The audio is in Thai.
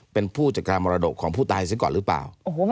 เป็นผู้จัดการมรดกของผู้ตายซะก่อนหรือเปล่า